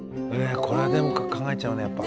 これでも考えちゃうねやっぱ。